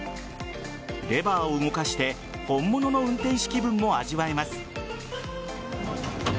レバーを動かして本物の運転士気分も味わえます。